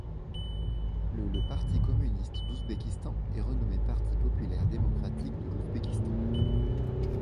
Le le parti communiste d'Ouzbékistan est renommé parti populaire démocratique de l'Ouzbékistan.